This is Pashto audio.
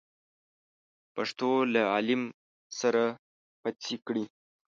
پښتنو له عليم سره پڅې کړې.